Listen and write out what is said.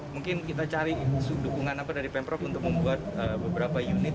mungkin kita cari dukungan apa dari pemprov untuk membuat beberapa unit